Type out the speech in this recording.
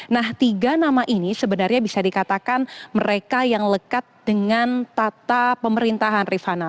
nah tiga nama ini sebenarnya bisa dikatakan mereka yang lekat dengan tata pemerintahan rifana